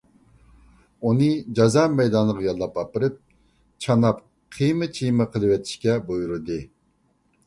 ئۇنى جازا مەيدانىغا يالاپ ئاپىرىپ، چاناپ قىيما - چىيما قىلىۋېتىشكە بۇيرۇدى.